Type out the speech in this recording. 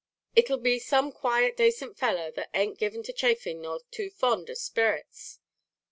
"It'll be some quiet, dacent fellow, that an't given to chaffing nor too fond of sperrits."